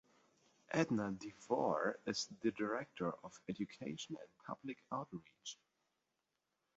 Edna DeVore is the Director of Education and Public Outreach.